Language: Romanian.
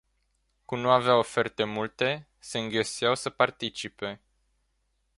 Cum nu aveau oferte multe, se înghesuiau să participe.